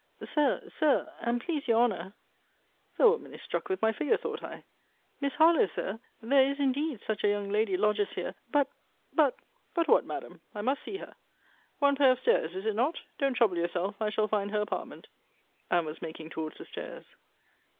Sir, Sir, and please your Honour: [the woman is struck with my figure, thought I:] Miss Harlowe, Sir! There is, indeed, such a young lady lodges here But, but But, what, Madam? I must see her. One pair of stairs; is it not? Don't trouble yourself I shall find her apartment. And was making towards the stairs.